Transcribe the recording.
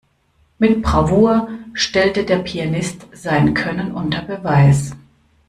Mit Bravour stellte der Pianist sein Können unter Beweis.